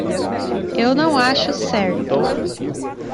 Eu não acho certo.